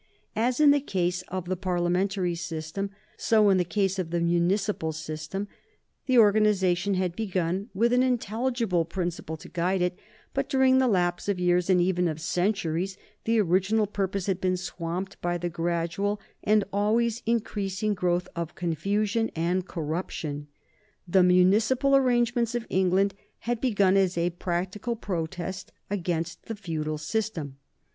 As in the case of the Parliamentary system, so in the case of the municipal system, the organization had begun with an intelligible principle to guide it; but, during the lapse of years and even of centuries, the original purpose had been swamped by the gradual and always increasing growth of confusion and corruption. The municipal arrangements of England had begun as a practical protest against the feudal system.